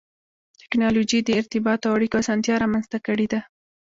ټکنالوجي د ارتباط او اړیکو اسانتیا رامنځته کړې ده.